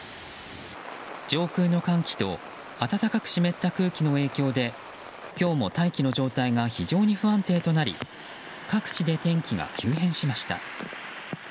上空の寒気と暖かく湿った空気の影響で今日も大気の状態が非常に不安定となり各地で天気が急変しました。